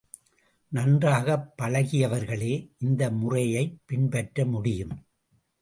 நன்றாகப் பழகியவர்களே இந்த முறையைப் பின்பற்ற முடியும்.